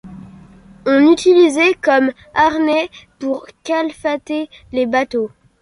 On l'utilisait comme harnais pour calfater les bateaux.